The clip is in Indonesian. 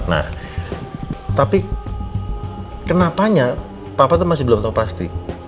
nah tapi kenapanya papa tuh masih belum tau pasti